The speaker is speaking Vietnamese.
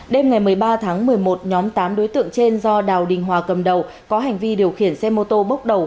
đêm ngày một mươi ba tháng một mươi một nhóm tám đối tượng trên do đào đình hòa cầm đầu có hành vi điều khiển xe mô tô bốc đầu